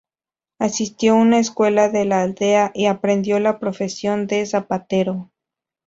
Asistió una escuela de la aldea y aprendió la profesión de zapatero.